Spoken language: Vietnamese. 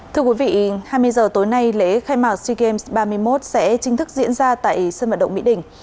thưa quý vị hai mươi h tối nay lễ khai mạc sea games ba mươi một sẽ chính thức diễn ra tại sân vận động mỹ đình